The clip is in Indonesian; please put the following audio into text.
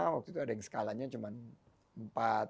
waktu itu ada yang skalanya cuma empat